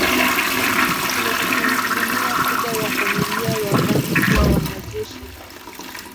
Kuna asilimia kubwa ya familia ya Van kuwa wanajeshi.